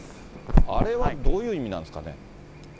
あれはどういう意味なんですかね。